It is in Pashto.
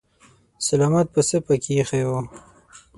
سلامت پسه پکې ايښی و.